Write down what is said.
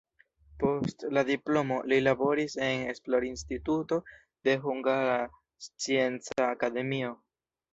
Post la diplomo li laboris en esplorinstituto de Hungara Scienca Akademio.